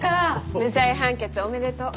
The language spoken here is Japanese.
無罪判決おめでとう。